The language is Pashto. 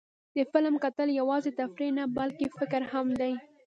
د فلم کتل یوازې تفریح نه، بلکې فکر هم دی.